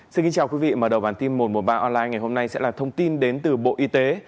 xin kính chào quý vị mở đầu bản tin một trăm một mươi ba online ngày hôm nay sẽ là thông tin đến từ bộ y tế